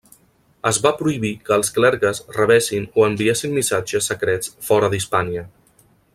Es va prohibir que els clergues rebessin o enviessin missatges secrets fora d'Hispània.